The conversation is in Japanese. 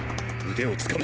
腕をつかめ。